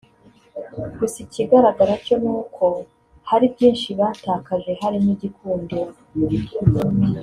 gusa ikigaragara cyo ni uko hari byinshi batakaje harimo igikundiro